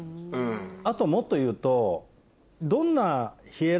あともっと言うと。